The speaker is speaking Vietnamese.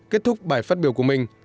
kết thúc bài phát biểu của mình